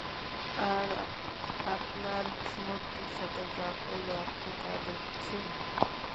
আর আপনার মূর্তির সাথে যা করল আপনি তা দেখছেন।